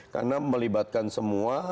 karena melibatkan semua